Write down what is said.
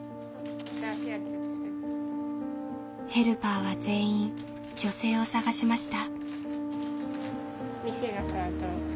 ヘルパーは全員女性を探しました。